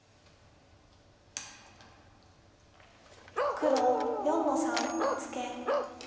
黒４の三ツケ。